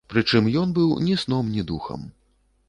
Прычым ён быў ні сном ні духам.